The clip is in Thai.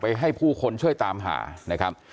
ให้ผู้คนช่วยตามหานะครับ